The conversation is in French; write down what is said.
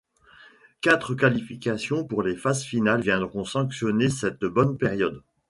Quatre qualifications pour les phases finales viendront sanctionner cette bonne période.